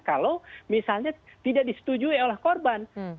kalau misalnya tidak disetujui oleh korban